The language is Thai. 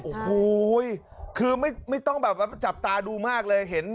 อุ้ยคือไม่ต้องแบบจับตาดูมากเลย